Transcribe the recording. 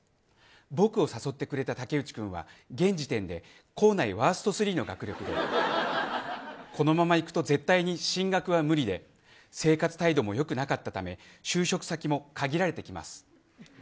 僕を誘ってくれた武内君は現時点で校内でワースト３の学力でこのままいくと絶対に進学は無理で生活態度も良くなかったため就職先も限られてきます。